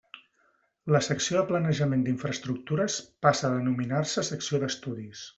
La Secció de Planejament d'Infraestructures passa a denominar-se Secció d'Estudis.